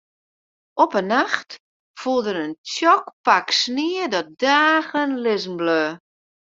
Op in nacht foel der in tsjok pak snie dat dagen lizzen bleau.